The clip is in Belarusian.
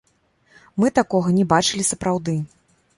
Мы такога не бачылі сапраўды.